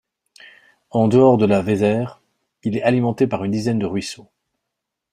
En dehors de la Vézère, il est alimenté par une dizaine de ruisseaux.